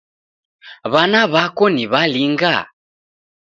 W'ana w'ako ni w'alinga?